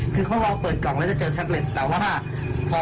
คือเขาลองเปิดกล่องแล้วจะเจอแท็บเล็ตแต่ว่าพอ